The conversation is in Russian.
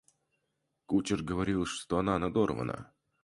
Кучер говорил, что она надорвана.